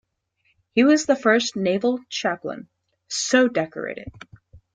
He was the first Naval Chaplain so decorated.